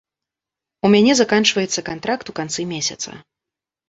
У мяне заканчваецца кантракт у канцы месяца.